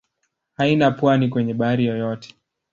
Haina pwani kwenye bahari yoyote.